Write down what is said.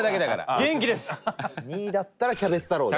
千賀：２位だったらキャベツ太郎で。